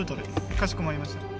かしこまりました。